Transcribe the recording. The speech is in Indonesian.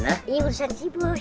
ini urusan sibuk